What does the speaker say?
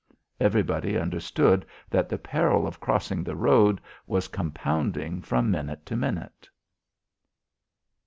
Everybody understood that the peril of crossing the road was compounding from minute to minute.